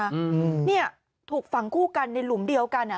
อืมเนี่ยถูกฝังคู่กันในหลุมเดียวกันอ่ะ